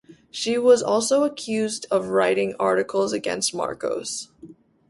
She was also accused of writing articles against Marcos.